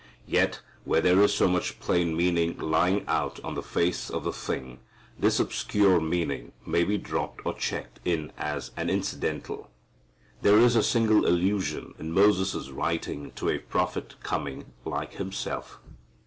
Yet where there is so much plain meaning lying out on the face of the thing, this obscure meaning may be dropped or checked in as an incidental. There is a single allusion in Moses' writing to a prophet coming like himself.